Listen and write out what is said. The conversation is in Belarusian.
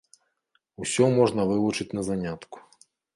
Усё можна вывучыць на занятку.